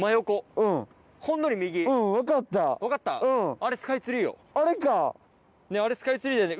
あれスカイツリーだよね。